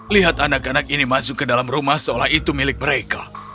lihat anak anak ini masuk ke dalam rumah seolah itu milik mereka